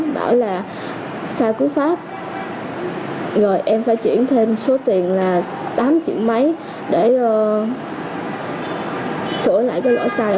bảo là sai cú pháp rồi em phải chuyển thêm số tiền là tám triệu mấy để sửa lại cái lỗi sai